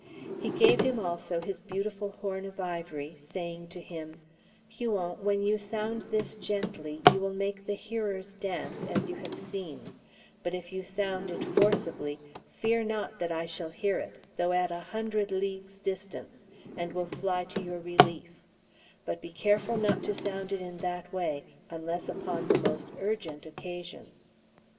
He gave him also his beautiful horn of ivory, saying to him, "Huon, when you sound this gently, you will make the hearers dance, as you have seen; but if you sound it forcibly, fear not that I shall hear it, though at a hundred leagues' distance, and will fly to your relief; but be careful not to sound it in that way, unless upon the most urgent occasion."